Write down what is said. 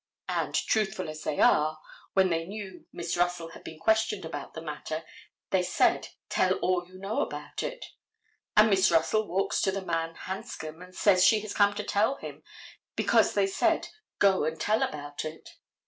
And, truthful as they are, when they knew Miss Russell had been questioned about the matter, they said tell all you know about it. And Miss Russell walks to the man Hanscom and says she has come to tell him because they said go and tell about it.